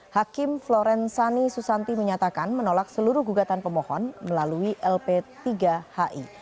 hakim floren sani susanti menyatakan menolak seluruh gugatan pemohon melalui lp tiga hi